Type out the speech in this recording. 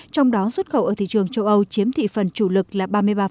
trong đó xuất khẩu ở thị trường châu âu chiếm thị phần chủ lực là ba mươi ba